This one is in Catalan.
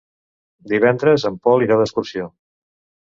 Divendres en Pol irà d'excursió.